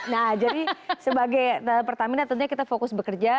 nah jadi sebagai pertamina tentunya kita fokus bekerja